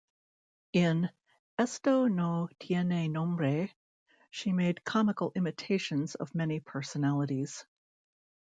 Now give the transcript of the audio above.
In "Esto No Tiene Nombre", she made comical imitations of many personalities.